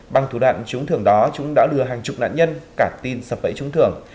bằng thủ đoạn trúng thưởng đó chúng đã lừa hàng chục nạn nhân cả tin sập vẫy trúng thưởng